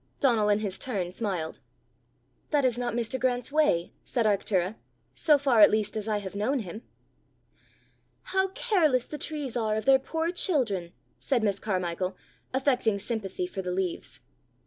Donal in his turn smiled. "That is not Mr. Grant's way," said Arctura, " so far at least as I have known him!" "How careless the trees are of their poor children!" said Miss Carmichael, affecting sympathy for the leaves.